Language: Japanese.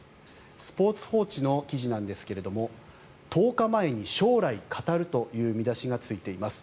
スポーツ報知の記事なんですが１０日前に将来語るという見出しがついています。